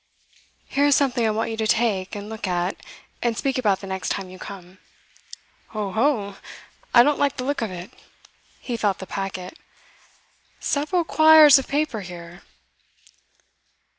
'Here is something I want you to take, and look at, and speak about the next time you come.' 'Ho, ho! I don't like the look of it.' He felt the packet. 'Several quires of paper here.